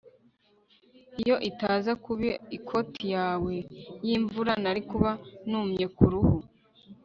iyo itaza kuba ikoti yawe yimvura, nari kuba numye kuruhu